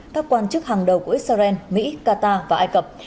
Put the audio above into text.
các quan chức hàng đầu của israel mỹ qatar và ai cập